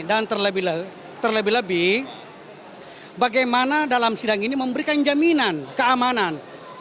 dan terlebih lebih bagaimana dalam sidang ini memberikan jaminan keamanan